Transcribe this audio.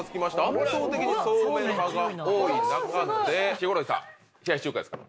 圧倒的にそうめん派が多い中でヒコロヒーさん冷やし中華ですか。